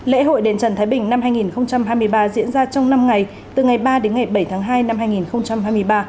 lễ hội đền trần thái bình năm hai nghìn hai mươi ba diễn ra trong năm ngày từ ngày ba đến ngày bảy tháng hai năm hai nghìn hai mươi ba